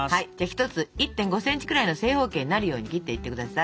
１つ１．５ｃｍくらいの正方形になるように切っていってください。